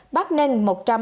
bắc ninh một trăm bảy mươi sáu